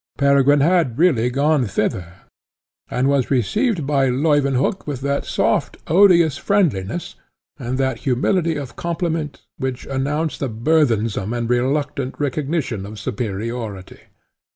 Peregrine had really gone thither, and was received by Leuwenhock with that soft odious friendliness, and that humility of compliment, which announce the burthensome and reluctant recognition of superiority.